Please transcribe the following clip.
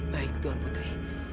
baik tuan putri